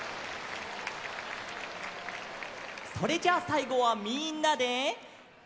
それじゃあさいごはみんなで「きんらきら」。